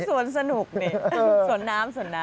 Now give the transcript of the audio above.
นี่สวนสนุกนี่สวนน้ำ